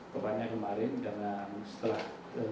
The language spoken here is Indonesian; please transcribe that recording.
kebanyakan kemarin dengan setelah